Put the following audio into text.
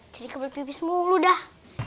jadi kebelet pipis mulu dah